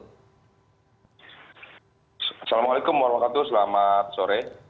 assalamualaikum warahmatullahi wabarakatuh selamat sore